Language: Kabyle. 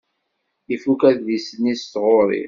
Ifuk adlis-nni s tɣuri.